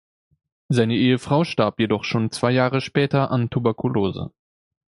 Seine Ehefrau starb jedoch schon zwei Jahre später an Tuberkulose.